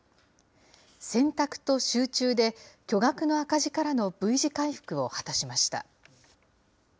選択と集中で、巨額の赤字からのＶ字回復を果たしました。